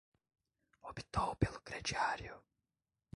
Optou pelo crediário